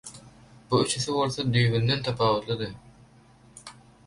Bu üçüsi bolsa düýbinden tapawutlydy.